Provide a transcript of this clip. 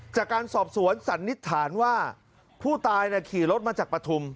จากการสอบสวนสันนิษฐานว่าผู้ตายขี่รถมาจากปฐุม